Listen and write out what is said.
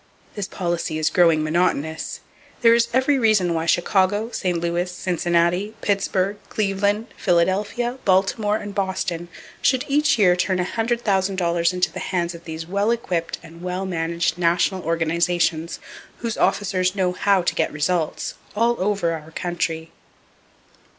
This policy is growing monotonous. There is every reason why Chicago, St. Louis, Cincinnati, Pittsburgh, Cleveland, Philadelphia, Baltimore and Boston should each year turn $100,000 into the hands of these well equipped and well managed national organizations whose officers know how to get results, all over our country.